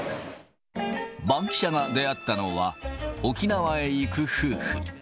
バンキシャが出会ったのは、沖縄へ行く夫婦。